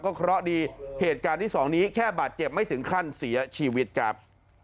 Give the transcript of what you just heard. เพราะดีเหตุการณ์ที่สองนี้แค่บาดเจ็บไม่ถึงขั้นเสียชีวิตครับ